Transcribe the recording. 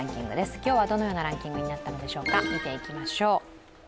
今日はどのようなランキングになったのでしょうか、見ていきましょう。